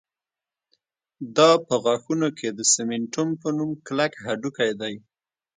دا په غاښونو کې د سېمنټوم په نوم کلک هډوکی دی